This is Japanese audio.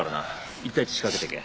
１対１仕掛けてけ。